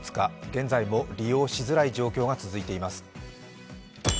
現在も利用しづらい状況が続いています。